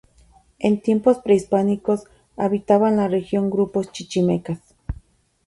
En tiempos prehispánicos habitaban la región grupos chichimecas.